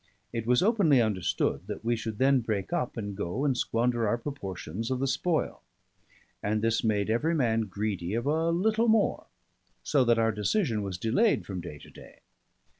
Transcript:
It was openly understood that we should then break up and go and squander our proportions of the spoil; and this made every man greedy of a little more, so that our decision was delayed from day to day.